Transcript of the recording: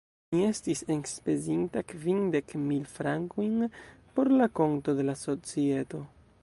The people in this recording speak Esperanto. Mi estis enspezinta kvindek mil frankojn por la konto de la societo.